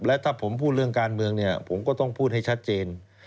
และถ้าผมพูดเรื่องการเมืองเนี่ยผมก็ต้องพูดให้ชัดเจน